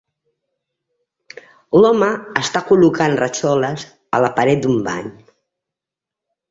L'home està col·locant rajoles a la paret d'un bany.